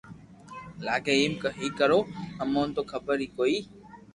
لاگي ايم ھي ڪرو اموني تو خبر ھي ڪوئي